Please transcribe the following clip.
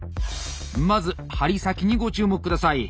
まず針先にご注目下さい。